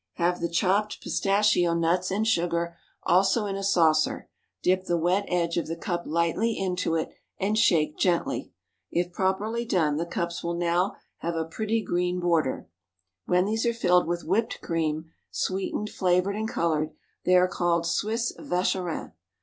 Have the chopped pistachio nuts and sugar also in a saucer, dip the wet edge of the cup lightly into it, and shake gently. If properly done, the cups will now have a pretty green border. When these are filled with whipped cream, sweetened, flavored, and colored, they are called Swiss Vacherin.